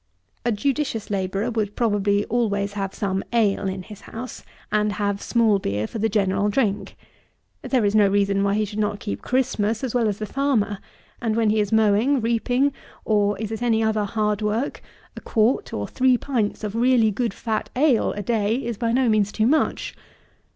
A judicious labourer would probably always have some ale in his house, and have small beer for the general drink. There is no reason why he should not keep Christmas as well as the farmer; and when he is mowing, reaping, or is at any other hard work, a quart, or three pints, of really good fat ale a day is by no means too much.